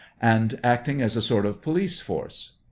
And acting as a sort of police force?